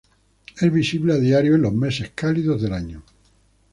Es visitable a diario en los meses cálidos del año.